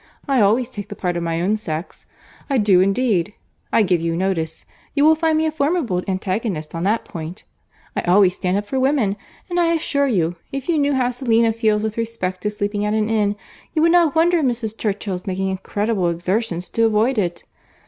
I always take the part of my own sex. I do indeed. I give you notice—You will find me a formidable antagonist on that point. I always stand up for women—and I assure you, if you knew how Selina feels with respect to sleeping at an inn, you would not wonder at Mrs. Churchill's making incredible exertions to avoid it.